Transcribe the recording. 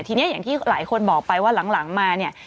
ทีนี้อย่างที่หลายคนบอกไปว่าหลังมาเนี่ย